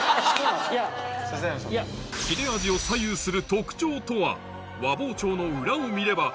切れ味を左右する特徴とは？